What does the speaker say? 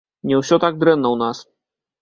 Не ўсё так дрэнна ў нас.